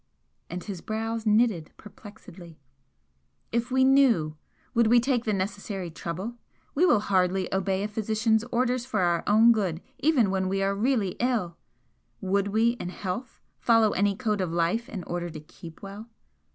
And his brows knitted perplexedly "If we knew, would we take the necessary trouble? We will hardly obey a physician's orders for our good even when we are really ill would we in health follow any code of life in order to keep well?"